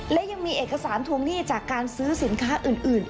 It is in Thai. และยังมีเอกสารทวงหนี้จากการซื้อสินค้าอื่น